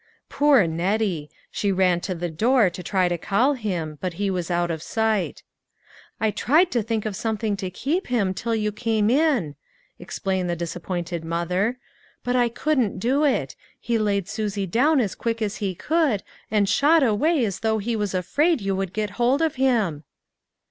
Poor Nettie ! She ran to the door to try to call him, but he was out of sight. "I tried to think of something to keep him till you came in," explained the disappointed mother, "but I couldn't do it ; he laid Susie down as quick as he could, and shot away as though he was afraid you would get hold of him."